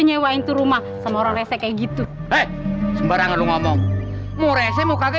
nyewain tuh rumah sama orang rese kayak gitu eh sembarangan ngomong more semoga